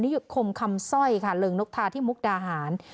ยุคมคำสร้อยค่ะเริงนกทาที่มุกดาหาร